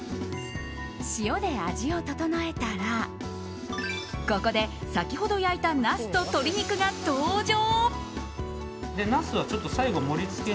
塩で味を調えたらここで、先ほど焼いたナスと鶏肉が登場。